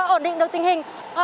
ổn định được tình hình